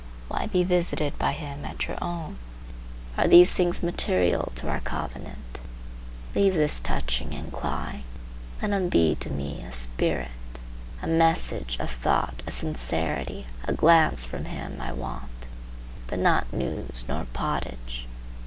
Why be visited by him at your own? Are these things material to our covenant? Leave this touching and clawing. Let him be to me a spirit. A message, a thought, a sincerity, a glance from him, I want, but not news, nor pottage.